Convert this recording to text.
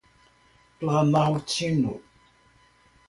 Planaltino